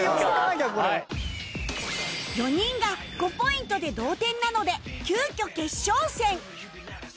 ４人が５ポイントで同点なので急きょ決勝戦